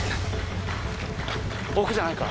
奥じゃないか？